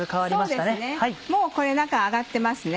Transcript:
もうこれ中揚がってますね。